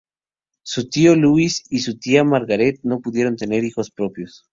Su tío Luis y su tía Margaret no pudieron tener hijos propios.